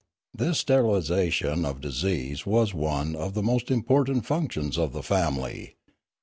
This sterilisation of disease was one of the most important functions of the family.